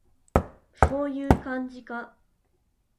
そういう感じか